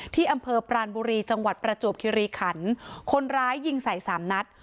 ที่อำเภอปรานบุรีจังหวัดประจวบคิริขันคนร้ายยิงใส่สามนัด